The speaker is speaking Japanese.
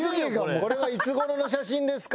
これはいつ頃の写真ですか？